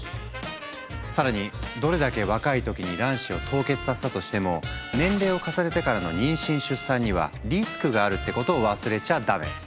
更にどれだけ若い時に卵子を凍結させたとしても年齢を重ねてからの妊娠出産にはリスクがあるってことを忘れちゃダメ！